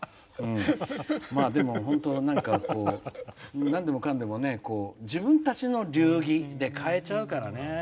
でも、本当になんでもかんでも自分たちの流儀で変えちゃうからね。